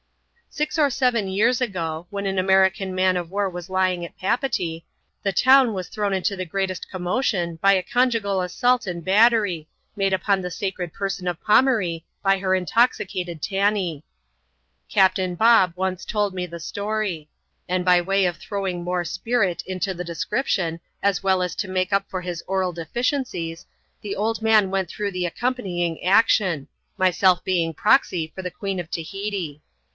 Six or seven years ago, when an American man of war was lying at Papeetee, the town was thrown into the greatest com motion by a conjugal assault and battery, made upon the sacred person of Pomaree by her intoxicated Tanee. Obtain Bob once told me the story. And by way of throwing more spirit into the description, as well as to make up for his oral deficiencies, the old man went through the accompanying action : myself being proxy for the Queen of Tahiti.